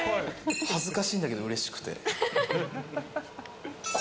恥ずかしいんだけどうれしくて。